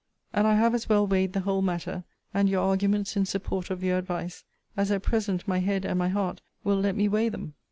And I have as well weighed the whole matter, and your arguments in support of your advice, as at present my head and my heart will let me weigh them.